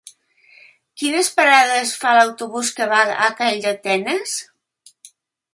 Quines parades fa l'autobús que va a Calldetenes?